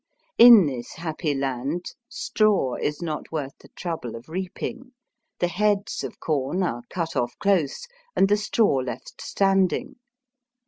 In this happy land straw is not worth the trouble of reaping. The heads of corn are cut off close, and the straw left standing.